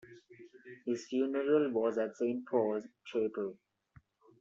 His funeral was at Saint Paul's Chapel.